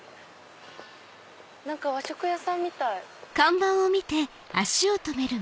和食屋さんみたい。